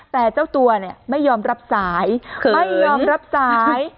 แต่เจ้าตัวไม่ยอมรับสายไม่ยอมรับสาย